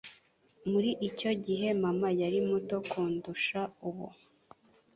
Muri icyo gihe, mama yari muto kundusha ubu.